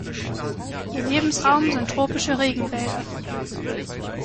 Ihr Lebensraum sind tropische Regenwälder.